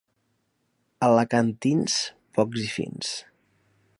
Alacantins, pocs i fins.